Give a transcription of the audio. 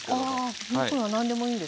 あ肉は何でもいいんですね。